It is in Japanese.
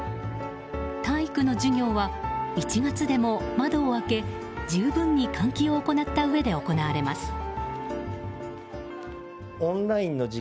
体育の授業は１月でも窓を開け十分に換気を行ったうえで行われます。